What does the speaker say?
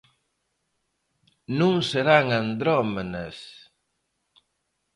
Non serán andrómenas?